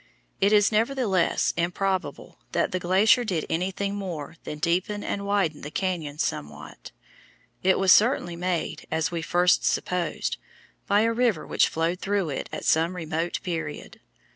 It is, nevertheless, improbable that the glacier did anything more than deepen and widen the cañon somewhat. It was certainly made, as we at first supposed, by a river which flowed through it at some remote period.